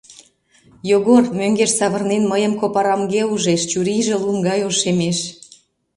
Йогор, мӧҥгеш савырнен, мыйым капорамге ужеш, чурийже лум гай ошемеш.